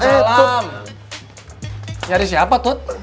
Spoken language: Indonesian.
ini ada siapa tut